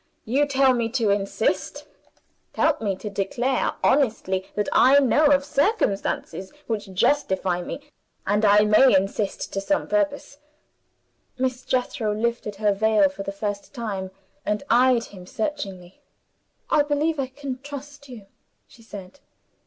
You tell me to insist. Help me to declare honestly that I know of circumstances which justify me; and I may insist to some purpose." Miss Jethro lifted her veil for the first time, and eyed him searchingly. "I believe I can trust you," she said.